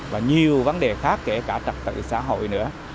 và nhiều vấn đề khác kể cả trật tự xã hội nữa